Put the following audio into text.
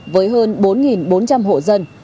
với hơn bốn bốn trăm linh hộ dân